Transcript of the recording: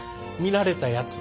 慣れたやつ。